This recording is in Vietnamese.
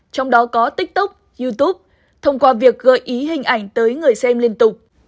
trong đó có tiktok youtube thông qua việc gợi ý hình ảnh tới người xem liên tục